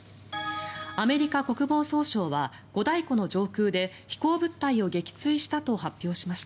アメリカ国防総省は五大湖の上空で飛行物体を撃墜したと発表しました。